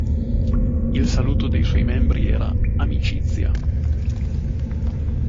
Il saluto dei suoi membri era "Amicizia!